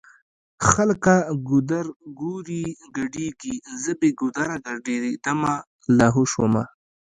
خلکه ګودرګوري ګډيږی زه بې ګودره ګډيدمه لا هو شومه